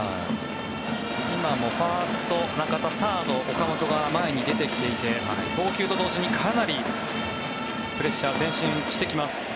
今もファースト、中田サード、岡本が前に出てきていて投球と同時にかなりプレッシャー前進してきます。